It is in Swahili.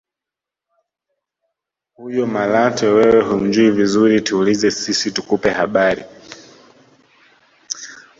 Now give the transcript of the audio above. Huyo Malatwe wewe humjui vizuri tuulize sisi tukupe habari